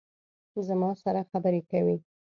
زما سره خبرې کوي